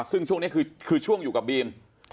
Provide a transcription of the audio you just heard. ซึ่งช่วงนี้คือช่วงอยู่กับบีม